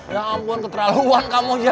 ya ampun keterlaluan kamu ya